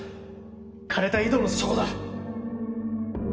枯れた井戸の底だ。